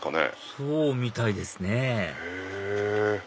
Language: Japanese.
そうみたいですねへぇ。